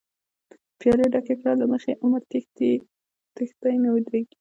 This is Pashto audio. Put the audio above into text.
پیالی ډکی کړه له مخی، عمر تښتی نه ودریږی